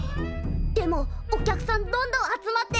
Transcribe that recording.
でもお客さんどんどん集まってるよ。